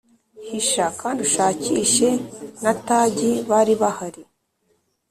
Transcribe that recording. hisha kandi ushakishe na tagi bari bahari.